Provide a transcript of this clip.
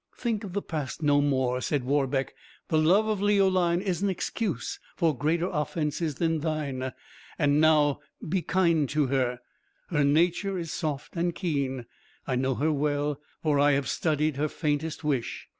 "Think of the past no more," said Warbeck; "the love of Leoline is an excuse for greater offences than thine. And now, be kind to her; her nature is soft and keen. I know her well; for I have studied her faintest wish.